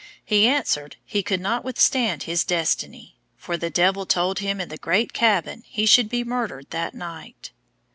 He answered, he could not withstand his destiny; for the devil told him in the great cabin he should be murdered that night.